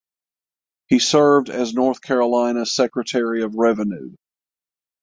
He served as North Carolina Secretary of Revenue.